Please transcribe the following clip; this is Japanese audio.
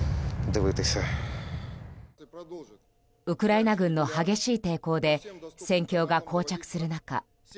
ウクライナ軍の激しい抵抗で戦況が膠着する中